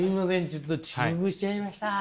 ちょっと遅刻しちゃいました。